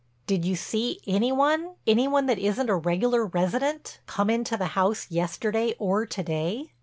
"Did you see any one—any one that isn't a regular resident—come into the house yesterday or to day?"